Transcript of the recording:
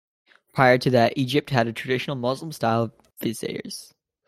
Prior to that, Egypt had traditional Muslim-style viziers.